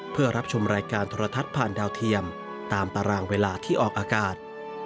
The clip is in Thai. เพื่อรับชมรายการโทรทัศน์ผ่านดาวเทียมตามตารางเวลาที่ออกอากาศ